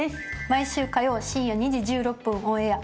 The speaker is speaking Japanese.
毎週火曜深夜２時１６分オンエア。